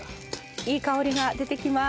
いい香りが出てきます。